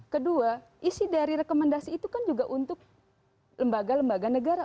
kedua isi dari rekomendasi itu kan juga untuk lembaga lembaga negara